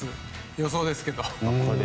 予想ですけど。